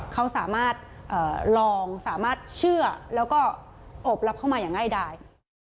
เขาสามารถลองสามารถเชื่อแล้วก็อบรับเข้ามาอย่างง่ายได้